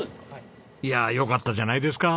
いやあよかったじゃないですか。